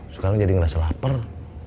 sekarang jadi ngerasa lapar